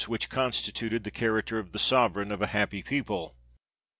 3 which constituted the character of the sovereign of a happy people.